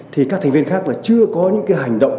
thì các thành viên khác chưa có những hành động